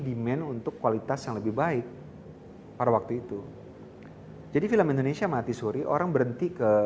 demand untuk kualitas yang lebih baik pada waktu itu jadi film indonesia mati suri orang berhenti ke